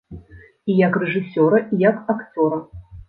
І як рэжысёра, і як акцёра.